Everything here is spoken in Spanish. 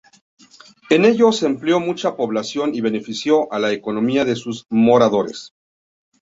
En ello se empleó mucha población y benefició a la economía de sus moradores.